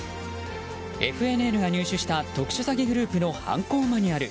ＦＮＮが入手した特殊詐欺グループの犯行マニュアル。